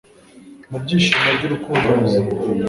mu byishimo by'urukundo ruzima